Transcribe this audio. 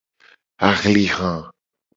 Ahliha.